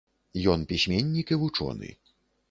Ён пісьменнік і вучоны.